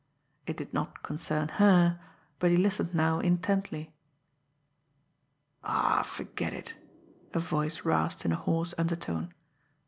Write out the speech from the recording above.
It did not concern her, but he listened now intently. "Aw, ferget it!" a voice rasped in a hoarse undertone.